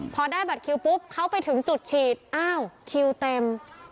พอได้บัตรคิวปุ๊บเขาไปถึงจุดฉีดอ้าวคิวเต็ม